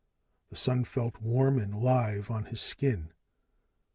The sun felt warm and live on his skin.